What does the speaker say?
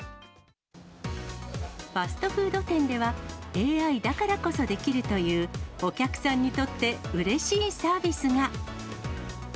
ファストフード店では、ＡＩだからこそできるというお客さんにとってうれしいサービスが。